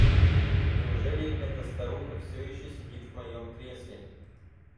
Неужели эта старуха все еще сидит в моем кресле?